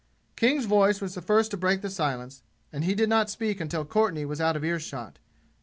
King's voice was the first to break the silence, and he did not speak until Courtenay was out of ear shot.